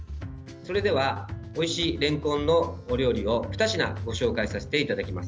それではおいしいれんこんのお料理を２品ご紹介させていただきます。